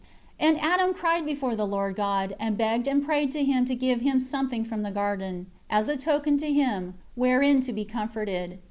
5 And Adam cried before the Lord God, and begged and prayed to Him to give him something from the garden, as a token to him, wherein to be comforted.